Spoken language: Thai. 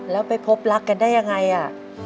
แล้วไปพบรักกันได้ยังไงอ่ะ